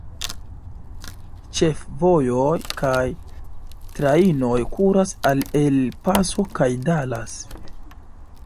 Ĉefvojoj kaj trajnoj kuras al El Paso kaj Dallas.